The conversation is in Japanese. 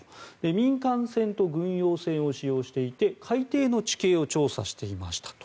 民間船と軍用船を使用していて海底の地形を調査していましたと。